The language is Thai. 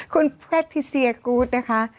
คุณแพทิเซียกูธนะคะ